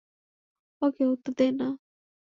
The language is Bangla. ওকে উত্তর দে না!